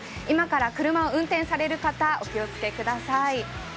今から車を運転される方、お気をつけください。